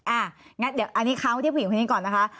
อ่ะงั้นเดี๋ยวอันนี้ค้างไว้ที่ผู้หญิงคนนี้ก่อนนะคะ